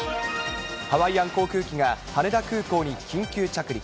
ハワイアン航空機が羽田空港に緊急着陸。